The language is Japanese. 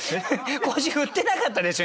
腰振ってなかったでしょ？